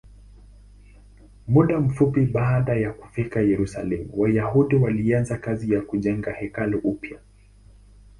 Muda mfupi baada ya kufika Yerusalemu, Wayahudi walianza kazi ya kujenga hekalu upya.